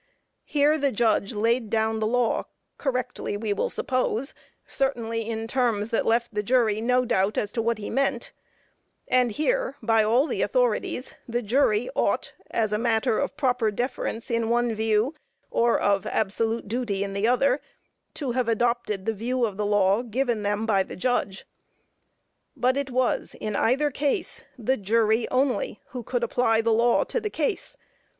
Here the judge laid down the law, correctly, we will suppose, certainly in terms that left the jury no doubt as to what he meant; and here, by all the authorities, the jury ought, as a matter of proper deference in one view, or of absolute duty in the other, to have adopted the view of the law given them by the judge. But it was in either case the jury only who could apply the law to the case.